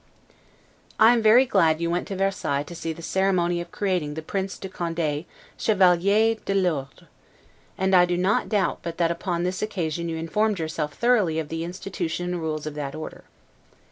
I am very glad you went to Versailles to see the ceremony of creating the Prince de Conde 'Chevalier de l' Ordre'; and I do not doubt but that upon this occasion you informed yourself thoroughly of the institution and rules of that order.